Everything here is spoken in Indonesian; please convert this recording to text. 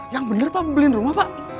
yang bener pak beliin rumah pak